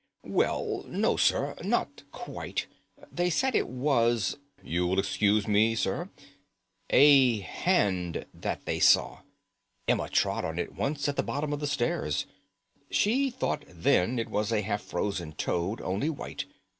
"Well, no, sir, not quite. They said it was—you'll excuse me, sir—a hand that they saw. Emma trod on it once at the bottom of the stairs. She thought then it was a half frozen toad, only white.